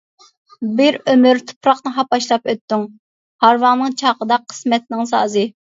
بىر ئۆمۈر تۇپراقنى ھاپاشلاپ ئۆتتۈڭ، ھارۋاڭنىڭ چاقىدا قىسمەتنىڭ سازى.